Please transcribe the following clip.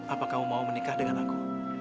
apa kamu mau menikah dengan aku